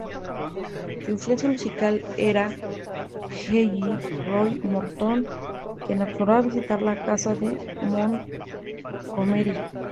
Su influencia musical era Jelly Roll Morton, quien acostumbraba visitar la casa de Montgomery.